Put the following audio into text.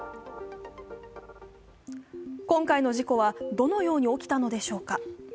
今回の事故はどのように起きたのでしょうか。